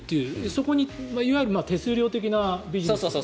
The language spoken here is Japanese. そこにいわゆる手数料的なビジネス。